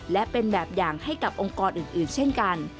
และเป็นแบบอย่างให้กับองค์กรอื่นเช่นกัน